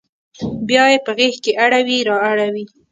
بیا یې په غیږ کې اړوي را اوړي